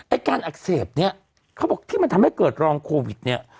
การอักเสบเนี่ยเขาบอกที่มันทำให้เกิดรองโควิดเนี่ย